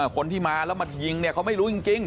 คนที่มาแล้วมายิงเนี่ยเขาไม่รู้จริง